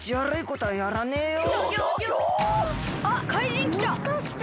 あっかいじんきた。